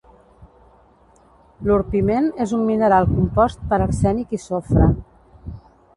L'orpiment és un mineral compost per arsènic i sofre.